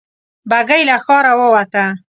بګۍ له ښاره ووته.